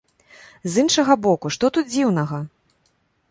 З іншага боку, што тут дзіўнага?